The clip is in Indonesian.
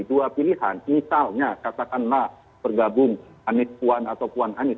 dua pilihan misalnya katakanlah bergabung anies puan atau puan anies